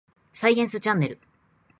サイエンスチャンネル